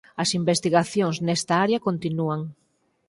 As investigacións nesta área continúan.